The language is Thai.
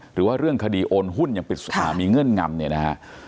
หรือว่าเรื่องคดีโอนหุ้นมีเงื่อนงำ